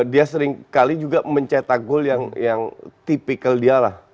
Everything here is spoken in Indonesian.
dia seringkali juga mencetak gol yang tipikal dia lah